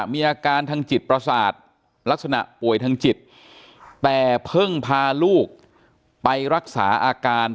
มีอาการทางจิตประสาทลักษณะป่วยทางจิตแต่เพิ่งพาลูกไปรักษาอาการ